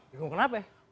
bingung kenapa ya